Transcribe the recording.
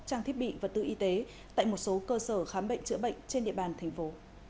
trang thiết bị vật tư y tế tại một số cơ sở khám bệnh chữa bệnh trên địa bàn thành phố